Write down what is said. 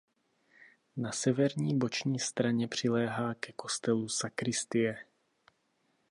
Na severní boční straně přiléhá ke kostelu sakristie.